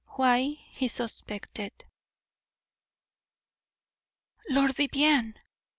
WHY HE SUSPECTED. Lord Vivianne!